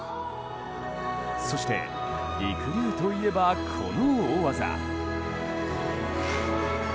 そして、りくりゅうといえばこの大技。